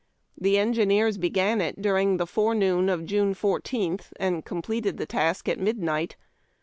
The enoineers began it during the forenoon of June 14, and completed the task at midnight.